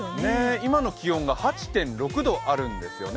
今の気温が８．６度あるんですよね。